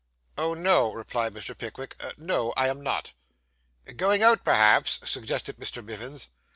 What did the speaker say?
'Oh, no,' replied Mr. Pickwick. 'No, I am not.' 'Going out, perhaps?' suggested Mr. Mivins.